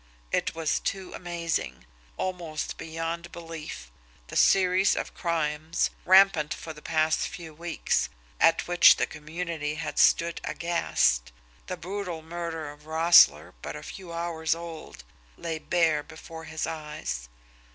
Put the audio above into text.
It was too amazing, almost beyond belief the series of crimes, rampant for the past few weeks, at which the community had stood aghast, the brutal murder of Roessle but a few hours old, lay bare before his eyes.